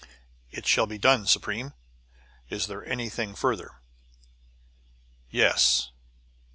"It shall be done, Supreme. Is there anything further?" "Yes.